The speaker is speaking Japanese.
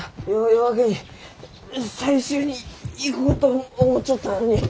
夜明けに採集に行こうと思うちょったのに。